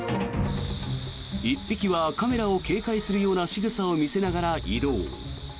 １匹はカメラを警戒するようなしぐさを見せながら移動。